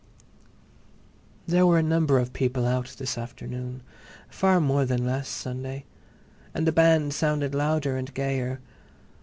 There were a number of people out this afternoon, far more than last Sunday. And the band sounded louder and gayer.